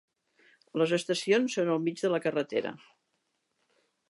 Les estacions són al mig de la carretera.